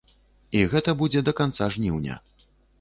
І гэта будзе да канца жніўня.